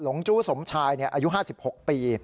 หลงจุสมชายอายุ๕๖ปี